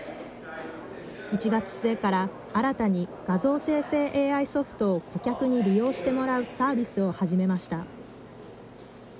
１月末から新たに画像生成ＡＩソフトを顧客に利用してもらうサービスを始めました。